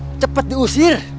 bener dah cepet diusir